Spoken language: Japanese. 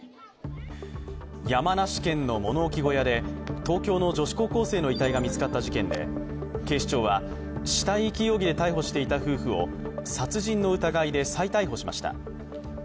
山梨県の物置小屋で東京の女子高校生の遺体が見つかった事件で警視庁は死体遺棄容疑で逮捕していた夫婦を殺人の疑いで再逮捕しました。